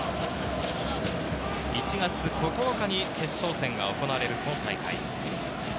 １月９日に決勝戦が行われるこの大会。